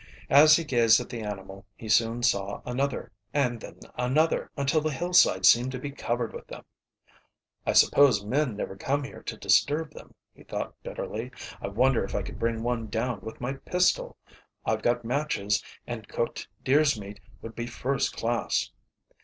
As he gazed at the animal he soon saw another, and then another, until the hillside seemed to be covered with them. "I suppose men never come here to disturb them," he thought bitterly. "I wonder if I could bring one down with my pistol? I've got matches, and cooked deer's meat would be first class."